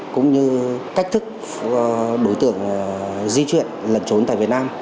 cũng như cách thức đối tượng di chuyển lẩn trốn tại việt nam